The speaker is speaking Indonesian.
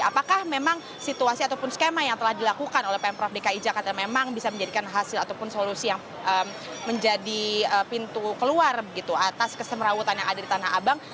apakah memang situasi ataupun skema yang telah dilakukan oleh pemprov dki jakarta memang bisa menjadikan hasil ataupun solusi yang menjadi pintu keluar atas kesemerawutan yang ada di tanah abang